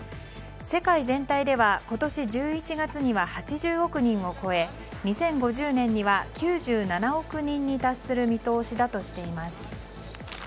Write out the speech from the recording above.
世界全体では今年１１月には８０億人を超え２０５０年には９７億人に達する見通しだとしています。